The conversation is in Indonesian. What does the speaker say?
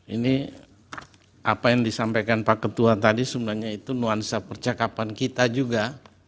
ini apa yang disampaikan pak ketua tadi sebenarnya itu nuansa percakapan kita juga